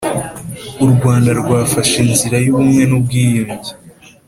u Rwanda rwafashe inzira y’ubumwe n’ubwiyunge